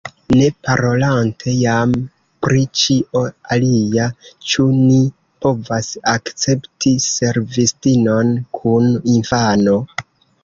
Ne parolante jam pri ĉio alia, ĉu ni povas akcepti servistinon kun infano?